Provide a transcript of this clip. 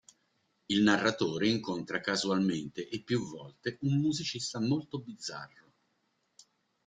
Il narratore incontra casualmente e più volte un musicista molto bizzarro.